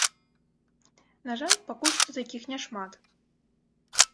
На жаль, пакуль што такіх няшмат.